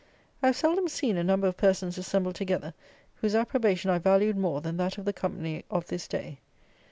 I have seldom seen a number of persons assembled together, whose approbation I valued more than that of the company of this day.